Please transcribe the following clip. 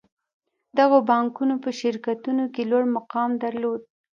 دغو بانکونو په شرکتونو کې لوړ مقام درلود